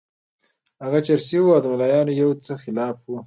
هغه چرسي وو او د ملایانو یو څه مخالف وو.